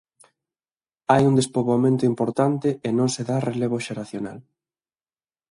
Hai un despoboamento importante e non se dá relevo xeracional.